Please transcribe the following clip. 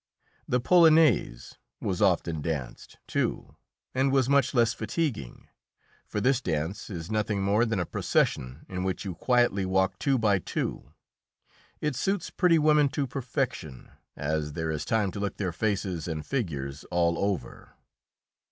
The "polonaise" was often danced, too, and was much less fatiguing, for this dance is nothing more than a procession in which you quietly walk two by two. It suits pretty women to perfection, as there is time to look their faces and figures all over.